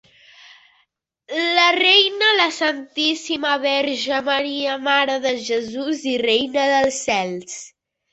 La reina: la Santíssima Verge Maria, Mare de Jesús i Reina dels Cels.